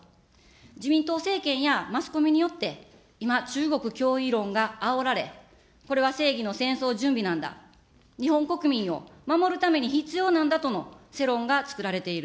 自民党政権やマスコミによって、今、中国脅威論があおられ、これは正義の戦争準備なんだ、日本国民を守るために必要なんだとの世論が作られている。